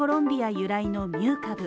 由来のミュー株